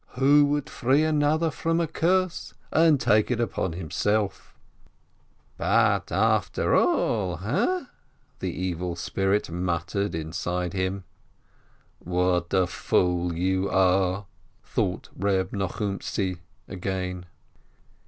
Who would free another from a curse and take it upon himself ? "But, after all ... ha?" the Evil Spirit muttered inside him. "What a fool you are !" thought Reb Nochumtzi again.